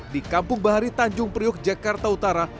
di kampung bahari tanjung priok jakarta utara